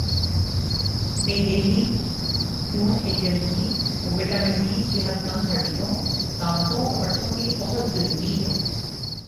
نئی دہلی جون agency vitamin D صحت مند ہڈیوں دانتوں اور پٹھوں کے لئے بہت ضروری ہے